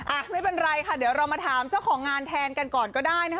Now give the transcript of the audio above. ไม่เป็นไรค่ะเดี๋ยวเรามาถามเจ้าของงานแทนกันก่อนก็ได้นะคะ